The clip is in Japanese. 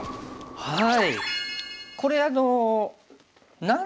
はい。